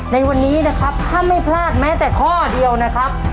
ในวันนี้นะครับถ้าไม่พลาดแม้แต่ข้อเดียวนะครับ